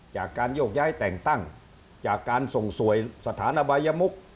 จากการโยกย้ายแต่งตั้งจากการส่งสวยสถานอบายมุก